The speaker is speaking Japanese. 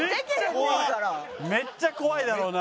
めっちゃ怖いだろうな。